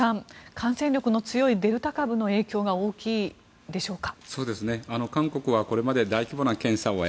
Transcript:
感染力の強いデルタ株の影響が大きいでしょうか。